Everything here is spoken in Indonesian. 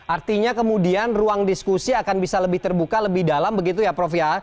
artinya kemudian ruang diskusi akan bisa lebih terbuka lebih dalam begitu ya prof ya